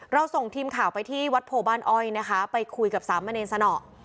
ส่งทีมข่าวไปที่วัดโพบ้านอ้อยนะคะไปคุยกับสามเณรสนอ